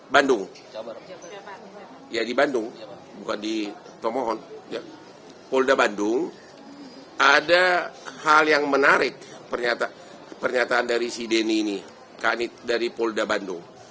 bandung ya di bandung bukan di tomohon polda bandung ada hal yang menarik pernyataan dari si deni ini kanit dari polda bandung